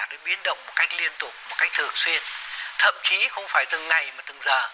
đến biến động một cách liên tục một cách thường xuyên thậm chí không phải từng ngày mà từng giờ